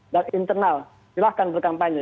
dan internal silahkan berkampanye